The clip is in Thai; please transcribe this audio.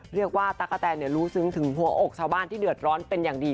เรียกว่าตั๊กกะแทนเนี่ยรู้ซึ้งถึงหัวอกชาวบ้านที่เดือดร้อนเป็นอย่างดี